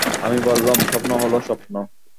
আমি বললাম, স্বপ্ন হল স্বপ্ন।